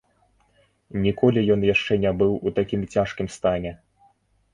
Ніколі ён яшчэ не быў у такім цяжкім стане.